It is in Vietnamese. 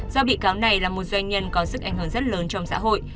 do bị cáo này là một doanh nhân có sức ảnh hưởng rất lớn trong xã hội